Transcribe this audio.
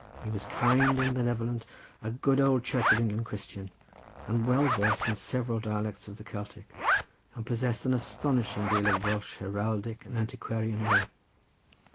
He was kind and benevolent, a good old Church of England Christian, was well versed in several dialects of the Celtic, and possessed an astonishing deal of Welsh heraldic and antiquarian lore.